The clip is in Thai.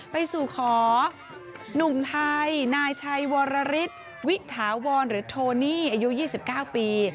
ไปสู่ขอหนุ่มไทยนายชัยวรรฤษวิถาวรหรือโทนี่อายุยี่สิบเก้าปี